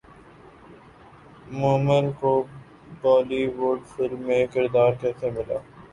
مومل کو Bollywood film میں کردار کیسے ملا